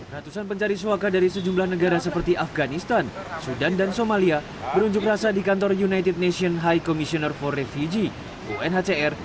ratusan pencari suaka dari sejumlah negara seperti afganistan sudan dan somalia berunjuk rasa di kantor united nation high commissioner for refugee unhcr